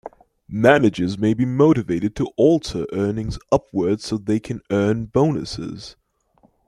Managers may be motivated to alter earnings upward so they can earn bonuses.